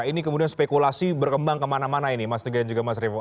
ini kemudian spekulasi berkembang kemana mana ini mas tega dan juga mas revo